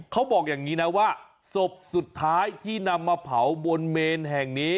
เขาบอกอย่างนี้นะว่าศพสุดท้ายที่นำมาเผาบนเมนแห่งนี้